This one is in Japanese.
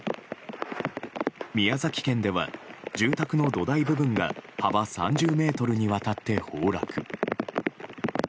宮崎県では、住宅の土台部分が幅３０ｍにわたって崩落。